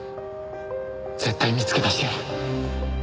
絶対見つけ出してやる！